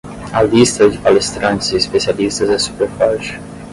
A lista de palestrantes especialistas é super forte